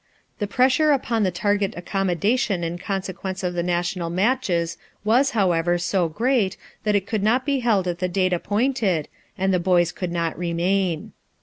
The pressure upon the target accommodation in consequence of the national matches was, however, so great that it could not be held at the date appointed, and the boys could not remain.